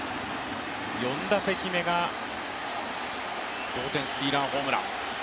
４打席目が同点スリーランホームラン。